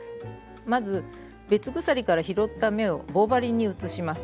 まず別鎖から拾った目を棒針に移します。